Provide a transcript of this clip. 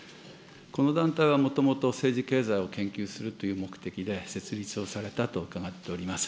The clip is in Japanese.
この団体はもともと政治経済を研究するという目的で設立をされたと伺っております。